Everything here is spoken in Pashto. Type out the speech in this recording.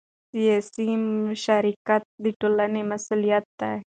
سیاسي مشارکت د ټولنې مسؤلیت دی